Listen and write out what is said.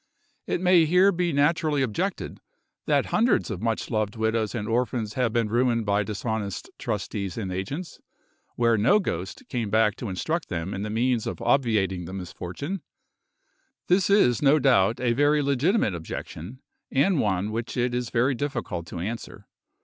It may here be naturally objected that hundreds of much loved widows and orphans have been ruined by dishonest trustees and agents, where no ghost came back to instruct them in the means of obviating the misfortune. This is, no doubt, a very legitimate objection, and one which it is very difficult to answer.